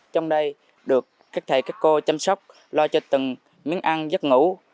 trong đây được các thầy các cô chăm sóc lo cho từng miếng ăn giấc ngủ